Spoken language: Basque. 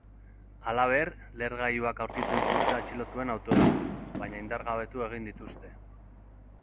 Halaber, lehergailuak aurkitu dituzte atxilotuen autoetan, baina indargabetu egin dituzte.